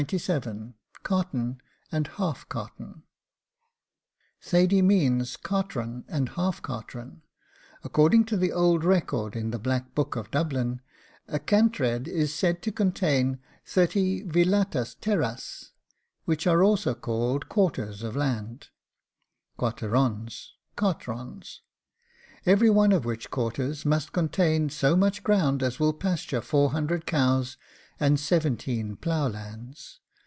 CARTON AND HALF CARTON, Thady means cartron, and half cartron. According to the old record in the black book of Dublin, a CANTRED is said to contain 30 VILLATAS TERRAS, which are also called QUARTERS of land (quarterons, CARTRONS); every one of which quarters must contain so much ground as will pasture 400 cows, and 17 plough lands.